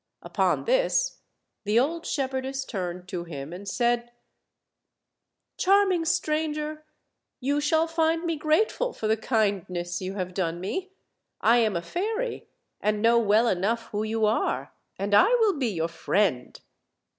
Upon this, the old shepherdess turned to him and said: "Charming stranger, you shall find me grateful for the kindness you have done me. I am a fairy, and know well enough who you are, and I will be your friend."